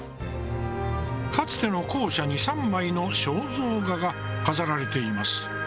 かつての校舎に３枚の肖像画が飾られています。